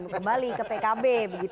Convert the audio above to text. kembali ke pkb